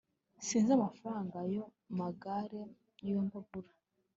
Sinzi amafaranga ayo magare yombi agura